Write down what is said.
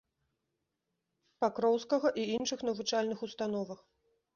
Пакроўскага і іншых навучальных установах.